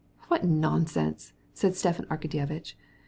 "What nonsense!" said Stepan Arkadyevitch.